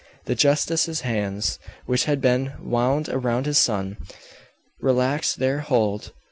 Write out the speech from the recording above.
The justice's hands, which had been wound around his son, relaxed their hold.